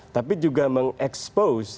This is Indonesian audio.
tapi juga mengekspos